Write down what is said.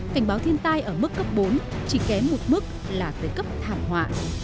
cảnh báo thiên tai ở mức cấp bốn chỉ kém một mức là tới cấp thảm họa